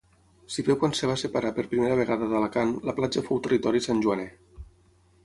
Si bé quan es va separar per primera vegada d'Alacant, la platja fou territori santjoaner.